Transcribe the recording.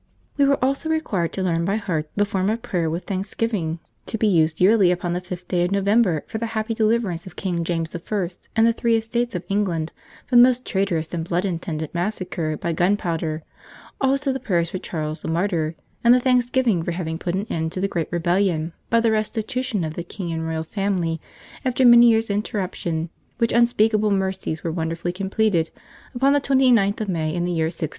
"We were also required to learn by heart the form of Prayer with Thanksgiving to be used Yearly upon the Fifth Day of November for the happy deliverance of King James I. and the Three Estates of England from the most traitorous and bloody intended Massacre by Gunpowder; also the prayers for Charles the Martyr and the Thanksgiving for having put an end to the Great Rebellion by the Restitution of the King and Royal Family after many Years' interruption which unspeakable Mercies were wonderfully completed upon the 29th of May in the year 1660!"